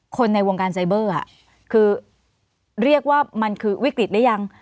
ในวงการไซเบอร์คือเรียกว่ามันคือวิกฤตหรือยัง